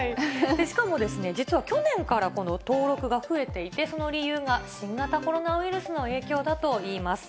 しかも、実は去年からこの登録が増えていて、その理由が新型コロナウイルスの影響だといいます。